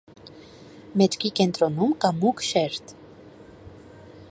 Մեջքի կենտրոնում կա մուգ շերտ։